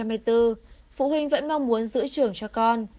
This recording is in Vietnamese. phụ huynh vẫn mong muốn giữ trường cho con